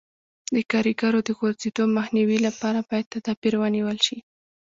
د کاریګرو د غورځېدو مخنیوي لپاره باید تدابیر ونیول شي.